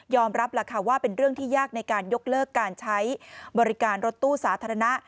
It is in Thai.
รับล่ะค่ะว่าเป็นเรื่องที่ยากในการยกเลิกการใช้บริการรถตู้สาธารณะ